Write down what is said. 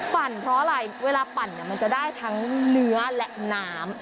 ปั่นเพราะอะไรเวลาปั่นมันจะได้ทั้งเนื้อและน้ำ